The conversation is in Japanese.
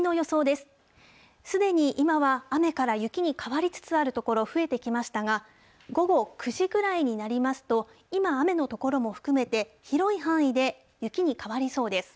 すでに今は、雨から雪に変わりつつあるところ、増えてきましたが、午後９時くらいになりますと、今雨の所も含めて、広い範囲で雪に変わりそうです。